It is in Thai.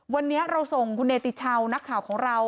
วันนี้เราส่งคุณเนติชาวนักข่าวของเรา